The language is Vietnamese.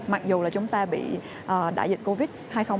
mặc dù là chúng ta bị đại dịch covid hai nghìn hai mươi hai nghìn hai mươi một